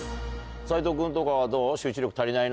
斎藤君とかはどう？